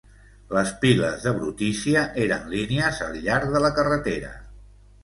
Les piles de brutícia eren línies al llarg de la carretera.